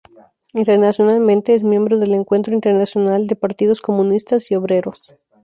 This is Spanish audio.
Internacionalmente es miembro del Encuentro Internacional de Partidos Comunistas y Obreros.